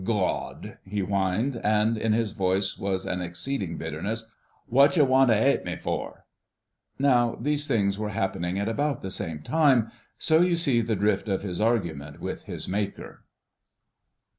"Gawd!" he whined—and in his voice was an exceeding bitterness—"Wotcher want to 'ate me for?" Now these things were happening at about the same time, so you see the drift of his argument with his Maker.